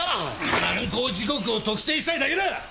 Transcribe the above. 犯行時刻を特定したいだけだ。